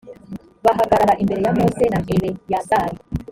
bahagarara imbere ya mose na eleyazari